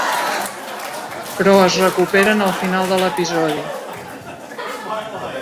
Però es recuperen al final de l'episodi.